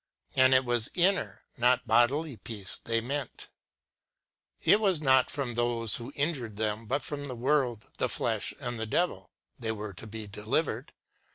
" And it was inner, not bodily peace they meant. It was not from those who injured them, but from the world, the flesh, and the I52 S LETTERS OF MARTIN LUTHER 179 devil, they were to be delivered.